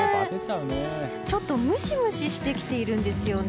ちょっとムシムシしてきているんですよね。